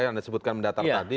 yang disebutkan mendatar tadi